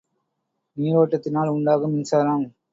நீரோட்டத்தினால் உண்டாகும் மின்சாரம்.